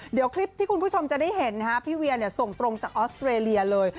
เดี๋ยวคลิปที่คุณผู้ชมจะได้เห็นนะฮะพี่เวียส่งตรงจากออสเตรเลียเลย